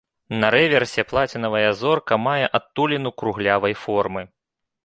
На рэверсе плацінавая зорка мае адтуліну круглявай формы.